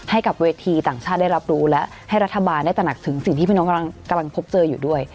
ให้กับเวทีต่างชาติได้รับรู้และให้รัฐบาลได้ตระหนักถึงสิ่งที่พี่น้องกำลังพบเจออยู่ด้วย